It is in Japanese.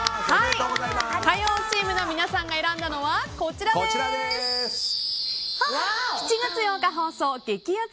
火曜チームの皆さんが選んだのは７月８日放送激アツ